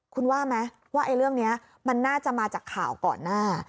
คุณว่าไหมว่าเรื่องนี้มันน่าจะมาจากข่าวก่อนหน้า